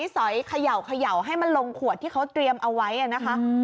สอยเขย่าให้มันลงขวดที่เขาเตรียมเอาไว้นะคะ